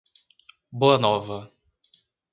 Boa Nova